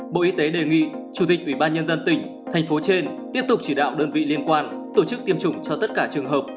bộ y tế đề nghị chủ tịch ubnd tỉnh tp hcm tiếp tục chỉ đạo đơn vị liên quan tổ chức tiêm chủng cho tất cả trường hợp